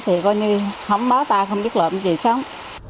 thì coi như không bó tay không biết lộn gì sống